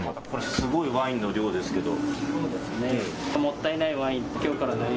すごいワインの量ですけれども。